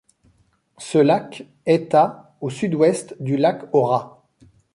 Ce lac est à au sud-ouest du Lac aux Rats.